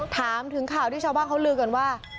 ถามถึงข่าวที่ชาวบ้านเขาลือกันว่า